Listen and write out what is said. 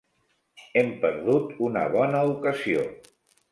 Hem perdut una bona ocasió.